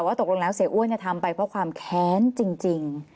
ตกลงแล้วเสียอ้วนทำไปเพราะความแค้นจริง